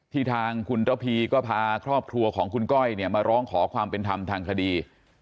ทางคุณระพีก็พาครอบครัวของคุณก้อยเนี่ยมาร้องขอความเป็นธรรมทางคดี